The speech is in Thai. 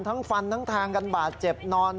ฟันทั้งแทงกันบาดเจ็บนอน